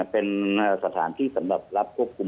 เป็นสถานที่สำหรับรับควบคุม